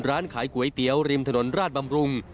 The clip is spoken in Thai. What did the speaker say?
ร้านขายก๋วยเตี๋ยวริมถนนราชบำรุง